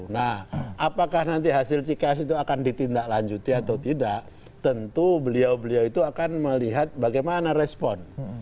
nah apakah nanti hasil cks itu akan ditindaklanjuti atau tidak tentu beliau beliau itu akan melihat bagaimana respon